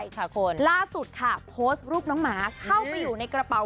ที่ฉันได้เล่าไปล่าสุดค่ะโพสต์รูปน้องหมาเข้าไปอยู่ในกระเป๋า